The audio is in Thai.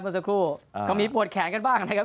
เมื่อสักครู่ก็มีปวดแขนกันบ้างนะครับ